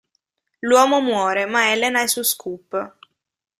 L'uomo muore, ma Ellen ha il suo scoop.